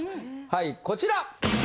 はいこちら！